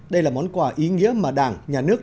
đây là món quà ý nghĩa mà đảng nhà nước